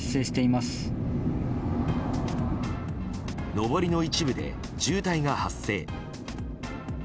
上りの一部で渋滞が発生。